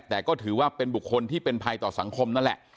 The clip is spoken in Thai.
แต่ก็ถือว่าเป็นบุคคลที่เป็นภัยต่อสังคมนั่นแหละ